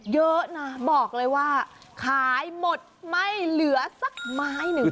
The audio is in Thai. เยอะนะบอกเลยว่าขายหมดไม่เหลือสักไม้หนึ่ง